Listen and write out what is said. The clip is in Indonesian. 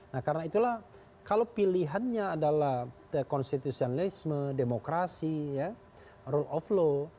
nah karena itulah kalau pilihannya adalah konstitusionalisme demokrasi rule of law